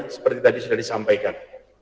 seperti tadi sudah disampaikan